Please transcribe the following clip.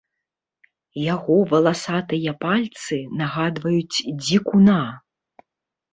Яго валасатыя пальцы нагадваюць дзікуна.